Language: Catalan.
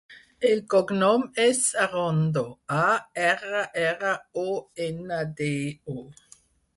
El cognom és Arrondo: a, erra, erra, o, ena, de, o.